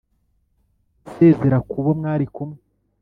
usezera ku bo mwari kumwe,